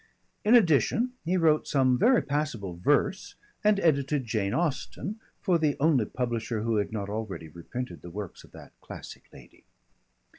In addition, he wrote some very passable verse and edited Jane Austen for the only publisher who had not already reprinted the works of that classic lady.